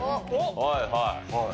はいはい。